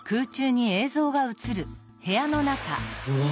うわ！